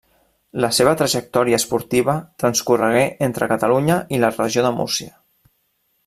La seva trajectòria esportiva transcorregué entre Catalunya i la Regió de Múrcia.